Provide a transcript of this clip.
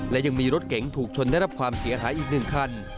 และยังมีรถเก๋งถูกชนได้รับความเสียหายอีก๑คัน